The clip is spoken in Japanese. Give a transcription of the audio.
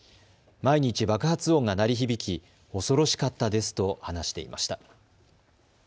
毎日、爆発音が鳴り響き恐ろしかったですと話していました。